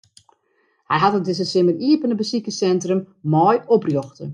Hy hat it dizze simmer iepene besikerssintrum mei oprjochte.